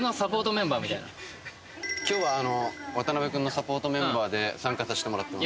まあだから今日は渡辺くんのサポートメンバーで参加させてもらってます